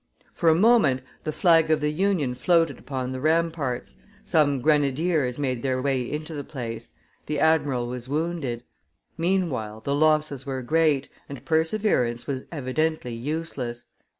For a moment the flag of the Union floated upon the ramparts, some grenadiers made their way into the place, the admiral was wounded; meanwhile, the losses were great, and perseverance was evidently useless.